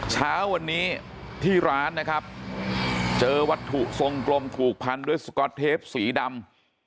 เช้าวันนี้ที่ร้านนะครับเจอวัตถุทรงกลมผูกพันด้วยสก๊อตเทปสีดำ